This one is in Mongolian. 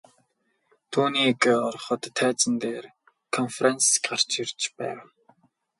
Түүнийг ороход тайзан дээр КОНФЕРАНСЬЕ гарч ирж байв.